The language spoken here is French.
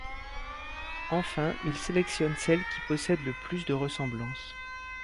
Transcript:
Enfin, il sélectionne celle qui possède le plus de ressemblance.